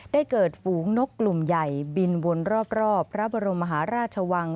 ได้เกิดฝูงนกกลุ่มใหญ่บินวนรอบพระบรมมหาราชวัง